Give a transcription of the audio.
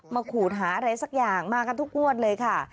ขูดหาอะไรสักอย่างมากันทุกงวดเลยค่ะ